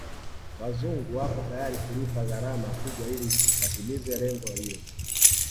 Wazungu wako tayari kulipa gharama kubwa ili watimize lengo hilo